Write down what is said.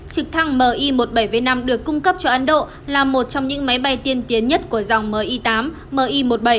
trực thăng mi một nghìn bảy trăm năm được cung cấp cho ấn độ là một trong những máy bay tiên tiến nhất của dòng mi tám mi một mươi bảy